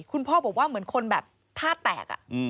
คุณพ่อบอกว่าเหมือนคนแบบท่าแตก